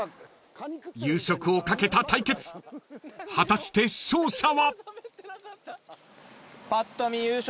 ［夕食をかけた対決果たして勝者は？］